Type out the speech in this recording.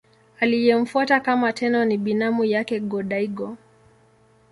Aliyemfuata kama Tenno ni binamu yake Go-Daigo.